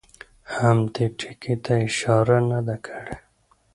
هم دې ټکي ته اشاره نه ده کړې.